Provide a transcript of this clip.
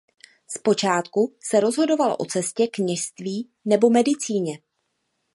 Zpočátku se rozhodoval o cestě kněžství nebo medicíně.